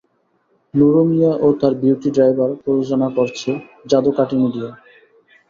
নুরু মিয়া ও তার beauty driver প্রযোজনা করেছে যাদু কাঠি মিডিয়া।